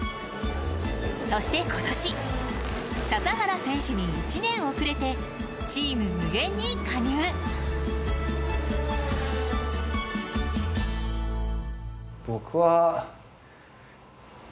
そして今年笹原選手に１年遅れてチーム無限に加入僕は。